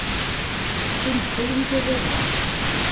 Qqim deg talwit a baba.